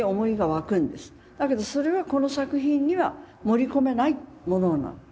だけどそれはこの作品には盛り込めないものなの。